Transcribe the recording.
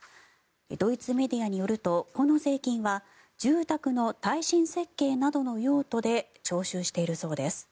ドイツメディアによるとこの税金は住宅の耐震設計などの用途で徴収しているそうです。